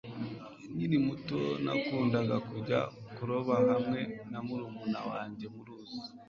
nkiri muto, nakundaga kujya kuroba hamwe na murumuna wanjye muruzi